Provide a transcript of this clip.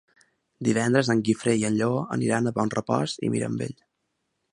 Divendres en Guifré i en Lleó aniran a Bonrepòs i Mirambell.